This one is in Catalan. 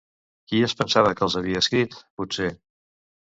Qui es pensava que els havia escrit, potser?